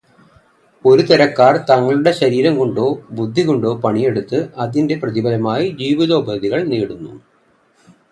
ഒരുതരക്കാർ തങ്ങളുടെ ശരീരം കൊണ്ടോ, ബുദ്ധി കൊണ്ടോ പണിയെടുത്ത് അതിന്റെ പ്രതിഫലമായി ജീവിതോപാധികൾ നേടുന്നു.